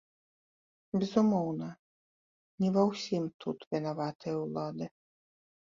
Безумоўна, не ва ўсім тут вінаватыя ўлады.